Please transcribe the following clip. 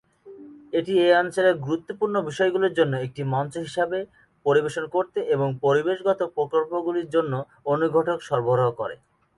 এটি এই অঞ্চলের গুরুত্বপূর্ণ বিষয়গুলির জন্য একটি মঞ্চ হিসাবে পরিবেশন করতে এবং পরিবেশগত প্রকল্পগুলির জন্য অনুঘটক সরবরাহ করে।